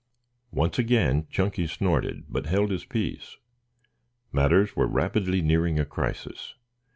Once again Chunky snorted, but held his peace. Matters were rapidly nearing a crisis.